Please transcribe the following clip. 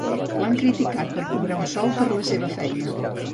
L'han criticat per cobrar un sou per la seva feina.